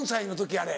あれ。